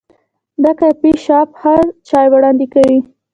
دا کافي شاپ ښه چای وړاندې کوي.